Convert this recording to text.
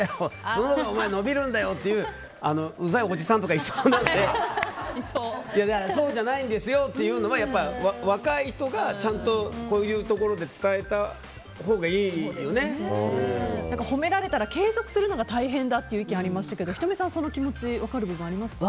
そのほうがお前伸びるんだよってうざいおじさんとかいそうなのでそうじゃないですよっていうのは若い人がちゃんとこういうところで褒められたら継続するのが大変だという意見ありましたけど仁美さんはその気持ち分かるところありますか？